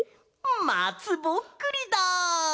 まつぼっくりだ！